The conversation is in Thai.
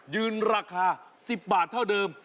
ยืนราคา๑๐บาทเท่าเดิม